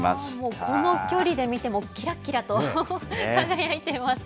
もうこの距離で見ても、きらっきらと輝いてます。